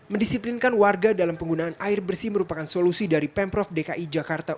mendisiplinkan warga dalam penggunaan air bersih merupakan solusi dari pemprov dki jakarta